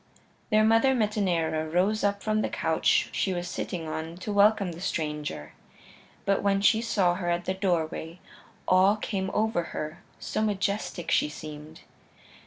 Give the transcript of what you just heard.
Their mother, Metaneira, rose up from the couch she was sitting on to welcome the stranger. But when she saw her at the doorway, awe came over her, so majestic she seemed.